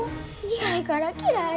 苦いから嫌い。